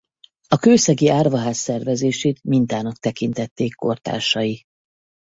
A kőszegi árvaház szervezését mintának tekintették kortársai.